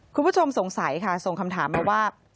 คุณผู้ชมสงสัยค่ะส่งคำถามมาว่า